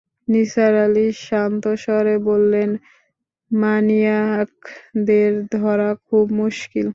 নিসার আলি শান্ত স্বরে বললেন, ম্যানিয়াকদের ধরা খুব মুশকিল।